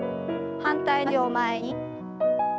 反対の脚を前に。